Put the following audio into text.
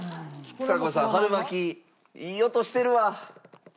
ちさ子さん春巻きいい音してるわ！